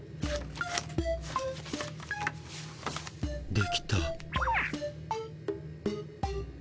できた。